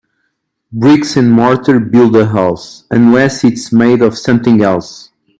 Bricks and mortar build a house, unless it’s made of something else.